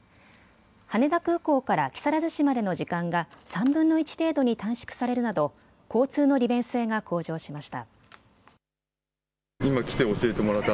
羽田空港から木更津市までの時間が３分の１程度に短縮されるなど交通の利便性が向上しました。